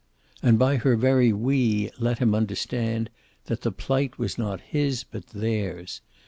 And by her very "we" let him understand that the plight was not his but theirs.